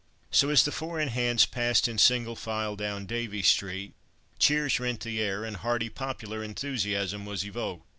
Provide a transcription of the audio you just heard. So, as the four in hands passed in single file down Davey Street, cheers rent the air, and hearty popular enthusiasm was evoked.